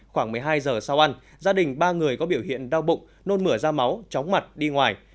khoảng một mươi hai giờ sau ăn gia đình ba người có biểu hiện đau bụng nôn mửa da máu chóng mặt đi ngoài